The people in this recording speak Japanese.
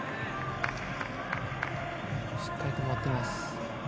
しっかり止まっています。